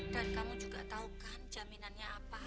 dan kamu juga tahu kan jaminannya apa